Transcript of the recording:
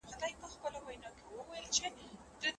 زه به په خپله څېړنه کي له احساساتو کار وانخلم.